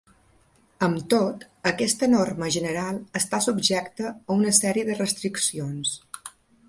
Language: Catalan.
Amb tot, aquesta norma general està subjecta a una sèrie de restriccions.